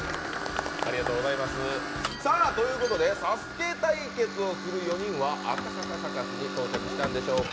さあ、ということで「ＳＡＳＵＫＥ」対決をする４人は赤坂サカスに到着したんでしょうか。